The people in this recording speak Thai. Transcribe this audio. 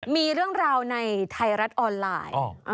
มีเรื่องราวในไทยรัฐออนไลน์